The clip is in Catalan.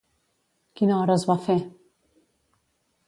Quina hora es va fer?